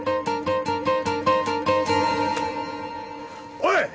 おい！